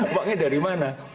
uangnya dari mana